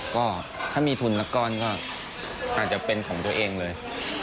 ก็ถ้ามีทุนละก้อนก็อาจจะเป็นของตัวเองเลย